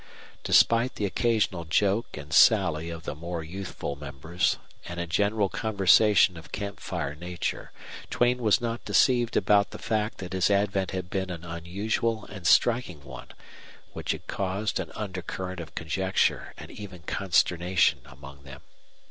Despite the occasional joke and sally of the more youthful members, and a general conversation of camp fire nature, Duane was not deceived about the fact that his advent had been an unusual and striking one, which had caused an undercurrent of conjecture and even consternation among them.